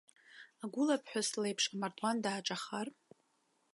Агәылаԥҳәыс леиԥш амардуан дааҿахар?